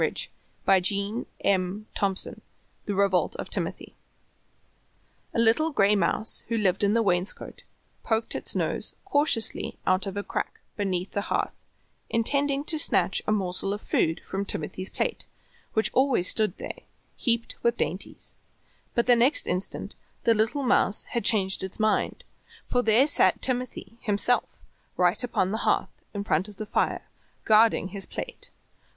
[Illustration: THE REVOLT OF TIMOTHY] III THE REVOLT OF TIMOTHY A little gray mouse, who lived in the wainscot, poked its nose cautiously out of a crack beneath the hearth, intending to snatch a morsel of food from Timothy's plate, which always stood there, heaped with dainties, but the next instant the little mouse had changed its mind, for there sat Timothy himself right upon the hearth in front of the fire guarding his plate.